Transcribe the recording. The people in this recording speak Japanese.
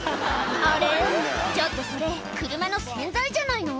あれっ、ちょっとそれ、車の洗剤じゃないの？